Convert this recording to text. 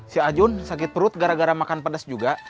si ajun sakit perut gara gara makan pedas juga